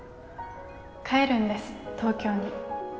帰るんです東京に。